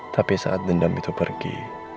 tapi saat dendam itu pergi